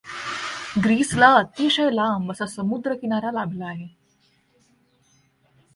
ग्रीसला अतिशय लांब असा समुद्र किनारा लाभला आहे.